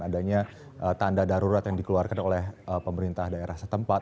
adanya tanda darurat yang dikeluarkan oleh pemerintah daerah setempat